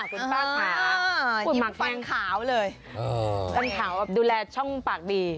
คุณป้าขายิ้มฟังขาวเลยฟังขาวดูแลช่องปากดี